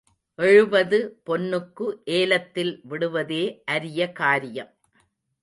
எழுபது பொன்னுக்கு ஏலத்தில் விடுவதே அரிய காரியம்.